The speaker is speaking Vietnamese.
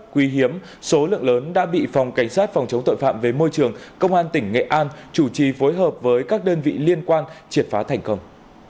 quý hiếm số lượng lớn đã bị phòng cảnh sát phòng chống tội phạm về môi trường công an tỉnh nghệ an chủ trì phối hợp với các đơn vị liên quan triệt phá thành công